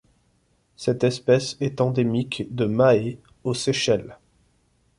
Cette espèce est endémique de Mahé aux Seychelles.